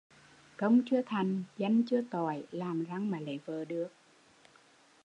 Công chưa thành danh chưa toại, làm răng mà lấy vợ được?